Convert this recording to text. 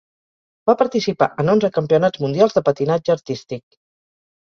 Va participar en onze Campionats Mundials de Patinatge Artístic.